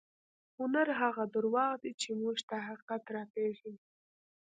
هنر هغه درواغ دي چې موږ ته حقیقت راپېژني.